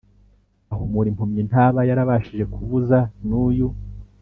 Ahumura impumyi ntaba yarabashije kubuza n uyu